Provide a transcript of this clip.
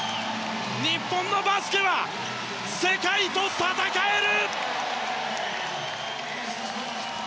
日本のバスケは世界と戦える！